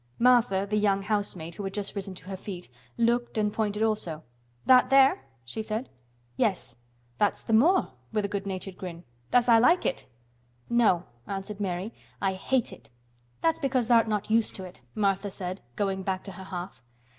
Martha, the young housemaid, who had just risen to her feet, looked and pointed also. "That there?" she said. "Yes." "That's th' moor," with a good natured grin. "Does tha' like it?" "No," answered Mary. "I hate it." "That's because tha'rt not used to it," Martha said, going back to her hearth.